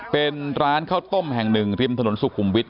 เป็นร้านข้าวต้มแห่งหนึ่งริมถนนสุขุมวิทย